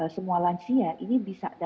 semua lansia ini bisa